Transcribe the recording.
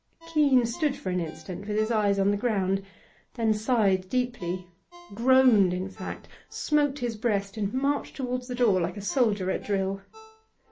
Keene stood for an instant with his eyes on the ground, then sighed deeply groaned, in fact smote his breast, and marched towards the door like a soldier at drill.